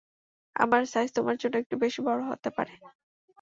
আমার সাইজ তোমার জন্য একটু বেশি বড় হতে পারে।